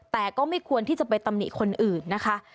แต่ก็ไม่ควรที่จะไปตำหนิคนอื่นนะคะ